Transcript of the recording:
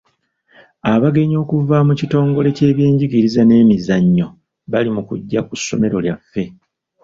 Abagenyi okuva mu kitongole ky'ebyenjigiriza n'emizannyo bali mu kujja ku ssomero lyaffe.